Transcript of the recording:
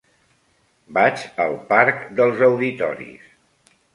Vaig al parc dels Auditoris.